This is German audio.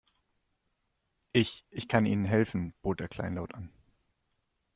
Ich, ich kann Ihnen helfen, bot er kleinlaut an.